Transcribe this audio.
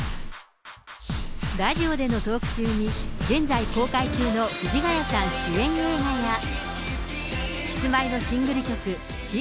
ラジオでのトーク中に、現在、公開中の藤ヶ谷さんの主演映画や、キスマイのシングル曲、シー！